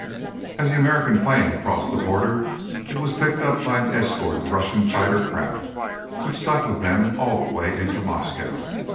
As the American plane crossed the border, it was picked up by an escort of Russian fighter craft, which stuck with them all the way into Moscow.